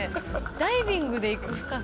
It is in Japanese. ダイビングで行く深さ。